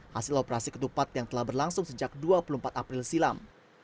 hasil operasi ketupat yang telah berlangsung sejak dua puluh empat april silam